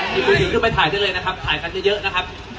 หยิบมือถือขึ้นไปถ่ายได้เลยนะครับถ่ายกันจะเยอะนะครับ